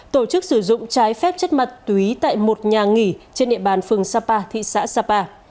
tổ chức sử dụng trái phép chất ma túy tại một nhà nghỉ trên địa bàn phường sapa thị xã sapa